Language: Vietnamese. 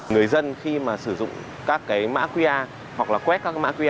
người dân khi mà sử dụng các cái mã qr hoặc là quét các cái mã qr